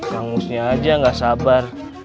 kangmusnya aja gak sabar